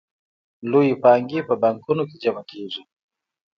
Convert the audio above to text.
لویې پانګې په بانکونو کې جمع کېږي